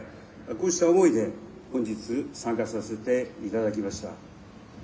こうした思いで、本日、参加させていただきました。